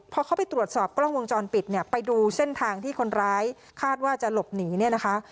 พอเขาไปตรวจสอบกล้องวงจรปิดเนี่ยไปดูเส้นทางที่คนร้ายคาดว่าจะหลบหนีเนี่ยนะคะ